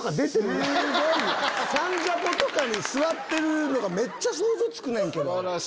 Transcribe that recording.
『サンジャポ』とかに座ってるのがめっちゃ想像つくねんけど。